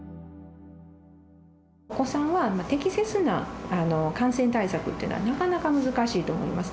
お子さんは、適切な感染対策というのはなかなか難しいと思います。